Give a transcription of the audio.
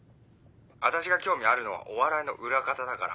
私が興味あるのはお笑いの裏方だから。